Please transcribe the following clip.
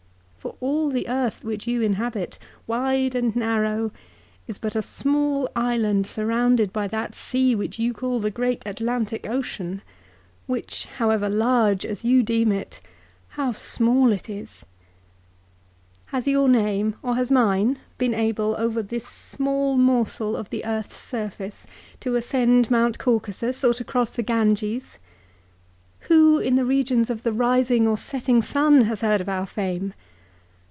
For all the earth which you inhabit, wide and narrow, is but a small island surrounded by that sea which you call the great Atlantic Ocean, which however large as you deem it, how small it is ! Has your name or has mine been able, over this small morsel of the earth's surface to ascend mount Caucasus or to cross the Ganges ? Who in the regions of the rising or setting sun has heard of our fame